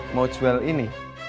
mau jual ini